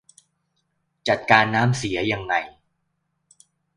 จัดการน้ำเสียยังไง